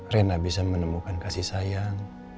rena bisa menemukan kasih sayang